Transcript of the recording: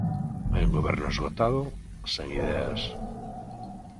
Hai un goberno esgotado, sen ideas.